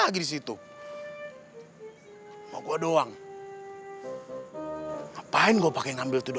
ngertiin juga kalau bukan gue nyuri